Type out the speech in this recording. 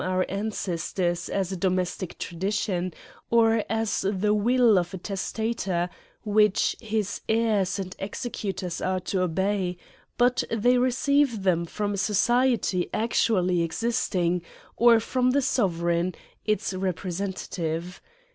our ancestors as a domestic tradition, or as the will of a testator, which his heirs and executors are to obey ; but they receive them from a socie ty actually existing^ or from the sovereign, its re presentative.